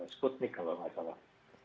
sputnik kalau tidak salah